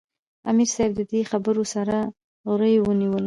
" امیر صېب د دې خبرو سره غرېو ونیوۀ ـ